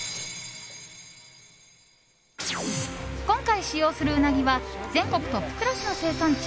今回、使用するうなぎは全国トップクラスの生産地